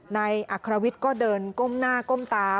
นายอัครวิทย์ก็เดินก้มหน้าก้มตา